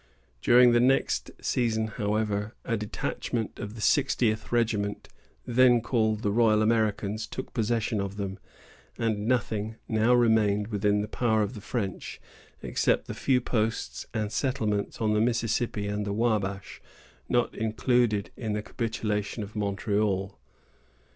During the next season, however, a detachment of the 60th regiment, then called the Royal Americans, took possession of them; and nothing now remained within the power of the French, except the few posts and settlements on the Mississippi and the Wabash, not included in the capitulation of Montreal.